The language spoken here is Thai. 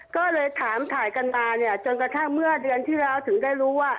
ก็เลยถามถ่ายกันมาเนี่ยจนกระทั่งเมื่อเดือนที่แล้วถึงได้รู้ว่า